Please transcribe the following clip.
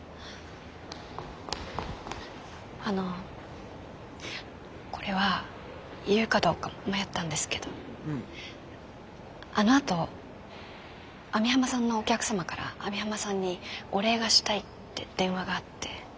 あのこれは言うかどうか迷ったんですけどあのあと網浜さんのお客様から網浜さんにお礼がしたいって電話があって。